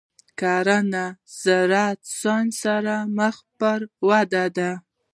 کرنه د زراعتي ساینس سره مخ پر ودې ده.